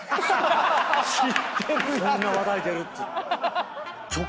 そんな話題出る。